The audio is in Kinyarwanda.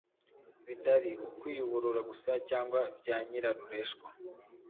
bitari ukwiyuburura gusa cyangwa bya nyirarureshwa.